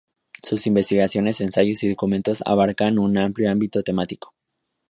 Sus investigaciones, ensayos y documentos abarcan un amplio ámbito temático.